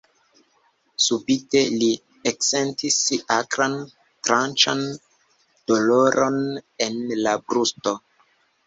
Subite li eksentis akran, tranĉan doloron en la brusto.